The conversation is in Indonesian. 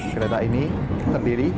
kereta ini terdiri